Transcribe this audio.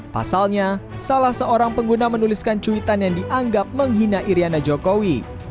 pasalnya salah seorang pengguna menuliskan cuitan yang dianggap menghina iryana jokowi